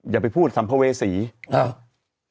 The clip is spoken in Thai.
อย่าไปพูดสัมเภาเวศรีอ่า